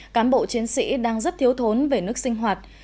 cán bộ chiến sĩ đang rất thiếu thốn về nước sinh hoạt